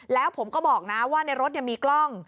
แล้วผมก็บอกนะว่าในรถมีกล้อง